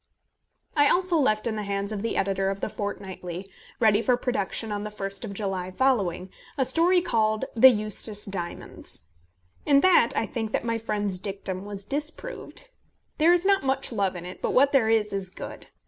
I also left in the hands of the editor of The Fortnightly, ready for production on the 1st of July following, a story called The Eustace Diamonds. In that I think that my friend's dictum was disproved. There is not much love in it; but what there is, is good.